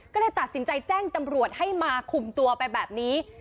ก็เลยตัดสินใจแจ้งตำรวจให้มาคุมตัวไปแบบนี้